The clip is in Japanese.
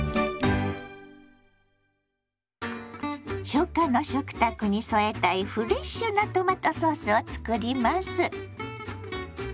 初夏の食卓に添えたいフレッシュなトマトソースを作ります。